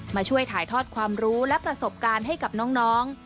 มาช่วยถ่ายทอดความรู้และประสบการณ์ให้กับน้อง